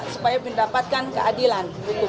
supaya mendapatkan keadilan